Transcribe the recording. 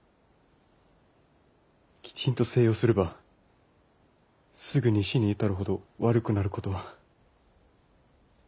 きちんと静養すればすぐに死に至るほど悪くなることは。